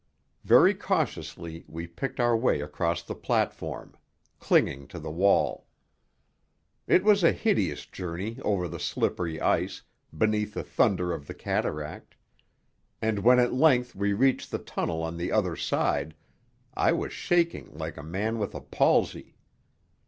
Very cautiously we picked our way across the platform, clinging to the wall. It was a hideous journey over the slippery ice, beneath the thunder of the cataract; and when at length we reached the tunnel on the other side, I was shaking like a man with a palsy.